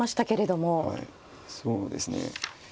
はいそうですね。